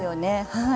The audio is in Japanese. はい。